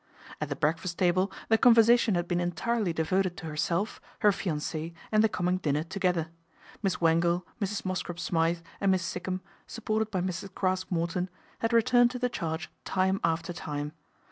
At the breakfast table the conversation had been entirely devoted to herself, her fianc6, and the coming dinner together. Miss Wangle, Mrs. Mosscrop Smythe, and Miss Sikkum, supported by Mrs Craske Morton, had returned to the charge time after time.